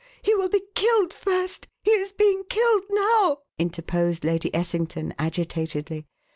He will be killed first he is being killed now!" interposed Lady Essington, agitatedly.